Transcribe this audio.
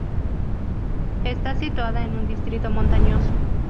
Está situada en un distrito montañoso.